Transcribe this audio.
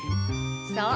そう。